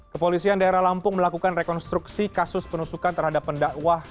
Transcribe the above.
kepolisian daerah lampung melakukan rekonstruksi kasus penusukan terhadap pendakwah